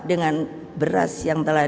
dengan beras yang telah